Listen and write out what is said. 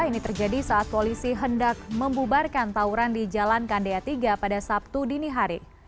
ini terjadi saat polisi hendak membubarkan tawuran di jalan kandaya tiga pada sabtu dini hari